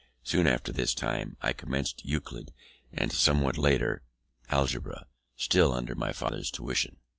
Soon after this time I commenced Euclid, and somewhat later, Algebra, still under my father's tuition.